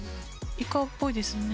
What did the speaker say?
イカっぽいですね。